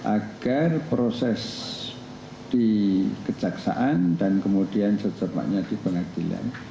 agar proses dikejaksaan dan kemudian secepatnya dipenadilan